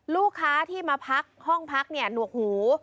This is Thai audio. ลูกค้าที่มาพักห้องพักเนี่ยหนวกหู